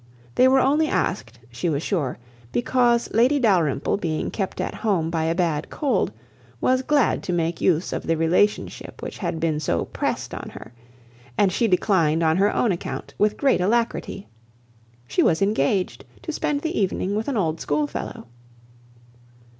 They were only asked, she was sure, because Lady Dalrymple being kept at home by a bad cold, was glad to make use of the relationship which had been so pressed on her; and she declined on her own account with great alacrity—"She was engaged to spend the evening with an old schoolfellow."